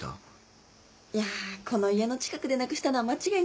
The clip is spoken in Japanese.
いやこの家の近くでなくしたのは間違いないんだけどさ。